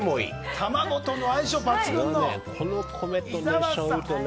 卵との相性抜群のね。